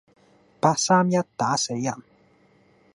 八三一打死人